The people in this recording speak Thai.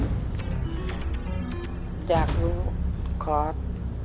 อยากรู้คอร์ส